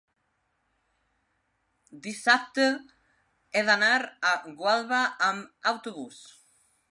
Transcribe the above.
dissabte he d'anar a Gualba amb autobús.